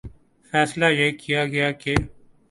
فیصلہ یہ کیا گیا کہ